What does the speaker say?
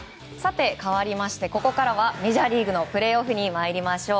かわりましてここからはメジャーリーグのプレーオフに参りましょう。